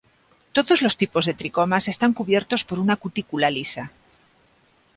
Todos los tipos de tricomas están cubiertos por una cutícula lisa.